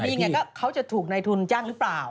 อักฏิอย่างเงี้ยเขาจะถูกในทุนจ้างหรือเปล่า